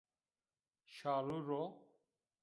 Şalûr o